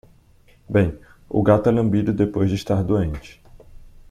Bem, o gato é lambido depois de estar doente.